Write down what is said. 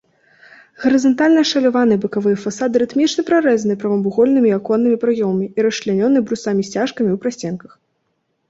Гарызантальна ашаляваныя бакавыя фасады рытмічна прарэзаны прамавугольнымі аконнымі праёмамі і расчлянёны брусамі-сцяжкамі ў прасценках.